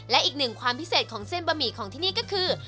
และอีกหนึ่งความพิเศษของเส้นบะหมี่ของที่นี่ก็คือ